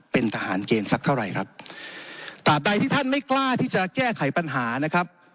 เป็นทหารเกณฑ์สักเท่าไหร่ครับตามใดที่ท่านไม่กล้าที่จะแก้ไขปัญหานะครับ